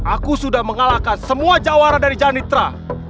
aku sudah mengalahkan semua jawara dari janitra